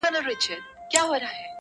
څو اوښان لرې څو غواوي څو پسونه.!